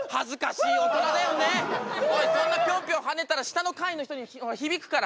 おいそんなピョンピョン跳ねたら下の階の人に響くから。